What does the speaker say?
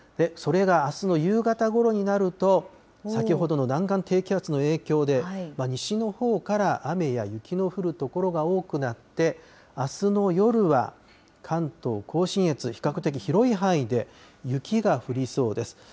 それがあすの夕方ごろになると、先ほどの南岸低気圧の影響で、西のほうから雨や雪の降る所が多くなって、あすの夜は、関東甲信越、比較的広い範囲で雪が降りそうです。